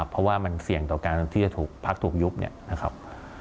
เพราะว่ามันเสี่ยงต่อการที่จะถูกพักถูกยุบ